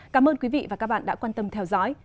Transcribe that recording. cảm ơn quý vị và các bạn đã quan tâm theo dõi